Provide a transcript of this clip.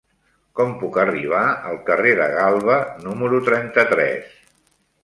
Com puc arribar al carrer de Galba número trenta-tres?